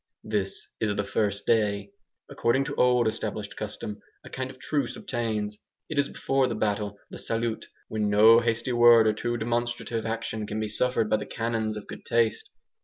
This is the first day. According to old established custom, a kind of truce obtains. It is before the battle, the "salut," when no hasty word or too demonstrative action can be suffered by the canons of good taste.